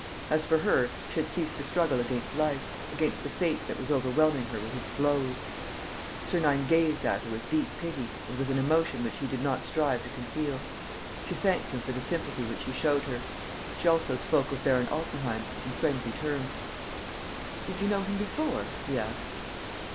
As for her, she had ceased to struggle against life, against the fate that was overwhelming her with its blows. Sernine gazed at her with deep pity and with an emotion which he did not strive to conceal. She thanked him for the sympathy which he showed her. She also spoke of Baron Altenheim, in friendly terms. "Did you know him before?" he asked.